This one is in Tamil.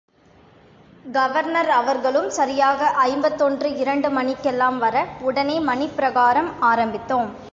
கவர்னர் அவர்களும் சரியாக ஐம்பத்தொன்று இரண்டு மணிக்கெல்லாம் வர, உடனே மணிப்பிரகாரம் ஆரம்பித்தோம்.